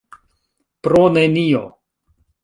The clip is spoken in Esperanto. Pro nenio.